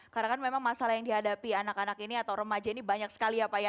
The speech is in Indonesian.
karena kan memang masalah yang dihadapi anak anak ini atau remaja ini banyak sekali ya pak ya